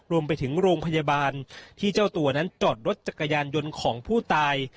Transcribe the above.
รวมไปถึงโรงพยาบาลที่เจ้าตัวนั้นจอดรถจักรยานยนต์ของผู้ตาย